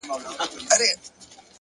د زړه صفا د اړیکو قوت دی!